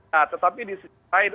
nah tetapi di sisi lain